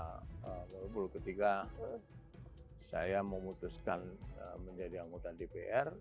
gini saya nggak berburu ketika saya memutuskan menjadi anggota dpr